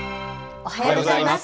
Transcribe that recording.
おはようございます。